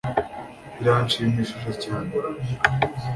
Biranshimishije cyane